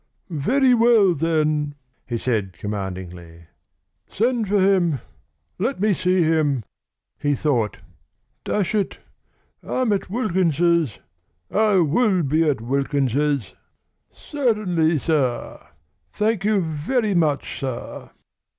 "Very well, then!" he said commandingly. "Send for him. Let me see him." He thought: "Dash it! I'm at Wilkins's I'll be at Wilkins's!" "Certainly, sir! Thank you very much, sir."